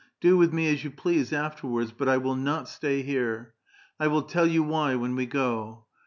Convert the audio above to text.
Do with me as you please afterwards, but I will not stay here. 1 will tell you why when we go.